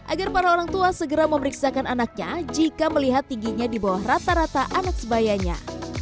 agar para orang tua segera memeriksakan anaknya jika melihat tingginya di bawah rata rata anak sebayanya